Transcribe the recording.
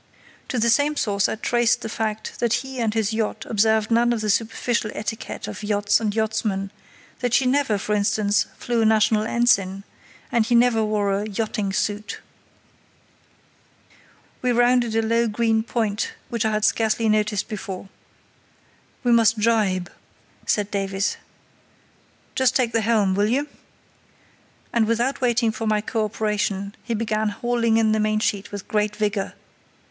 To the same source I traced the fact that he and his yacht observed none of the superficial etiquette of yachts and yachtsmen, that she never, for instance, flew a national ensign, and he never wore a "yachting suit". We rounded a low green point which I had scarcely noticed before. "We must jibe," said Davies: "just take the helm, will you?" and, without waiting for my co operation, he began hauling in the mainsheet with great vigour.